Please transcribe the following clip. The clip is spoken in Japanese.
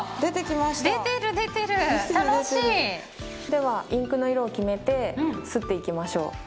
ではインクの色を決めて刷っていきましょう。